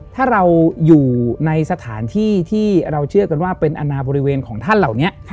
ถ้าเราอยู่ในสถานที่ที่เราเชื่อกันว่าเป็นอนาบริเวณของท่านเหล่านี้